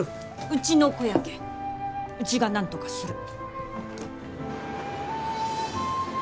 うちの子やけんうちがなんとかする。